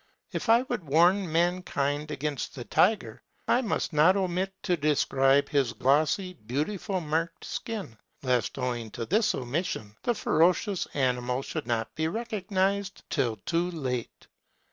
If I would warn mankind against the tiger, I must not omit to describe his glossy, beautifully marked skin, lest, owing to this omission, the ferocious animal should not be recognized till too late.